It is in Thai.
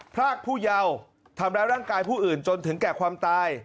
พรากผู้เยาว์ทำร้ายร่างกายผู้อื่นจนถึงแก่ความตาย